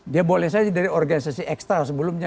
dia boleh saja dari organisasi ekstra sebelumnya